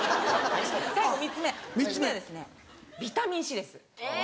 最後３つ目３つ目はビタミンＣです。